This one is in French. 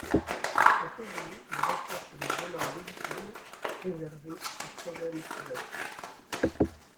En février, il remporte le Volant Winfield réservé aux très jeunes pilotes.